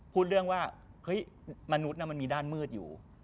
พูดเรื่องว่าเฮ้ยมนุษย์มันมีด้านมืดอยู่